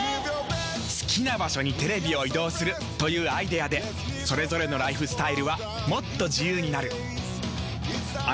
好きな場所にテレビを移動するというアイデアでそれぞれのライフスタイルはもっと自由になる。